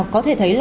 có thể thấy